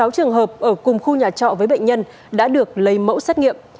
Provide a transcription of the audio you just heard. một mươi sáu trường hợp ở cùng khu nhà trọ với bệnh nhân đã được lấy mẫu xét nghiệm